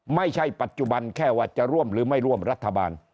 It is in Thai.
ไม่ใช่ปัจจุบันแค่ว่าจะร่วมหรือไม่ร่วมรัฐบาล